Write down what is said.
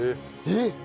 えっ？